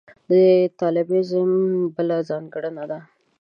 د طالبانیزم بله ځانګړنه ده.